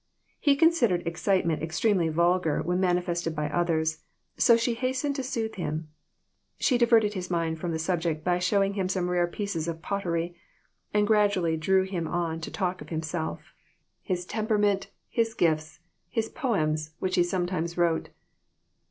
He considered excitement extremely vulgar when manifested by others, so she hastened to soothe him. She diverted his mind from the subject by showing him some rare pieces of pottery, and gradually drew him on to talk of himself his THIS WORLD, AND THE OTHER ONE. 24! temperament, his gifts, his poems, which he some times wrote.